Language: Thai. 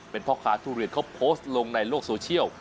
เป็นพ่อค้าทุเรียนเขาโพสต์ลงในโลกโซเชียล